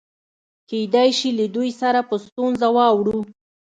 کېدای شي له دوی سره په ستونزه واوړو.